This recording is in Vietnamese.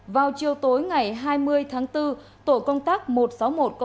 vào chiều tối ngày hai mươi tháng bốn tổ công tác mô hình đánh cá trên biển và đánh cá trên biển